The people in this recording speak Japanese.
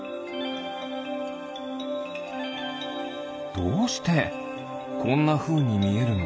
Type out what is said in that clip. どうしてこんなふうにみえるの？